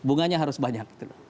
bunganya harus banyak